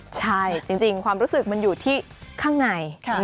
ใช่จริงความรู้สึกมันอยู่ที่ข้างใน